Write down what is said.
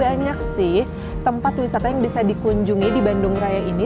banyak sih tempat wisata yang bisa dikunjungi di bandung raya ini